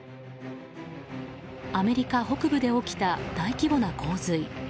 アメリカ北部で起きた大規模な洪水。